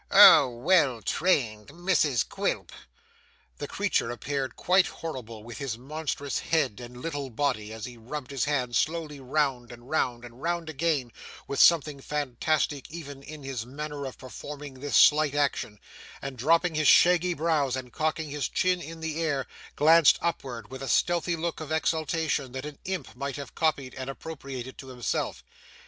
Oh! well trained Mrs Quilp.' The creature appeared quite horrible with his monstrous head and little body, as he rubbed his hands slowly round, and round, and round again with something fantastic even in his manner of performing this slight action and, dropping his shaggy brows and cocking his chin in the air, glanced upward with a stealthy look of exultation that an imp might have copied and appropriated to himself.